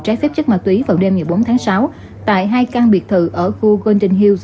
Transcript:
trái phép chất ma túy vào đêm ngày bốn tháng sáu tại hai căn biệt thự ở khu golden hills